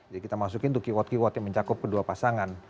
jadi kita masukin untuk keyword keyword yang mencakup kedua pasangan